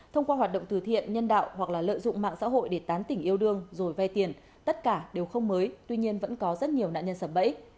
thông qua hoạt động từ thiện nhân đạo hoặc là lợi dụng mạng xã hội để tán tỉnh yêu đương rồi vay tiền tất cả đều không mới tuy nhiên vẫn có rất nhiều nạn nhân sập bẫy